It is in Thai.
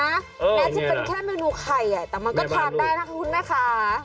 น่าจะเป็นแค่เมนูไข่แต่มันก็ทานได้นะคะคุณแม่ค่ะ